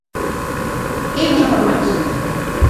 Imos a por máis.